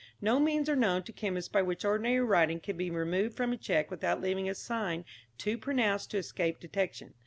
No means are known to chemists by which ordinary writing can be removed from a cheque without leaving a sign too pronounced to escape detection.